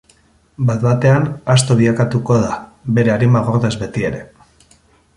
Bat batean, asto bilakatuko da, bere arima gordez betiere.